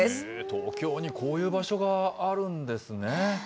東京にこういう場所があるんですね。